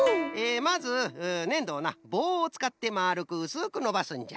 まずねんどをなぼうをつかってまるくうすくのばすんじゃ。